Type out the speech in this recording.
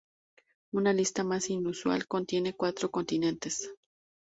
Una lista más inusual contiene cuatro continentes.